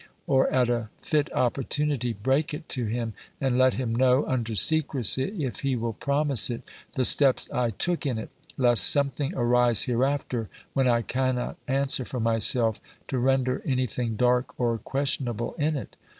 or, at a fit opportunity, break it to him, and let him know (under secrecy, if he will promise it) the steps I took in it; lest something arise hereafter, when I cannot answer for myself, to render any thing dark or questionable in it.